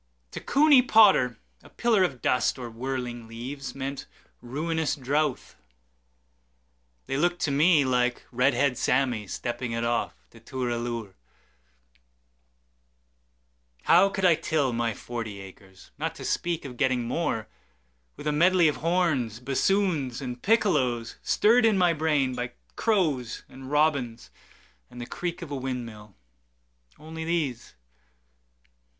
To Cooney Potter a pillar of dustOr whirling leaves meant ruinous drouth; They looked to me like Red Head SammyStepping it off, to "Toor a Loor."How could I till my forty acresNot to speak of getting more, With a medley of horns, bassoons and piccolosStirred in my brain by crows and robinsAnd the creak of a wind mill—only these?